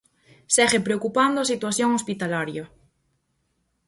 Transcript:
Segue preocupando a situación hospitalaria.